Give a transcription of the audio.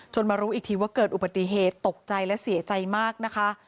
มารู้อีกทีว่าเกิดอุบัติเหตุตกใจและเสียใจมากนะคะ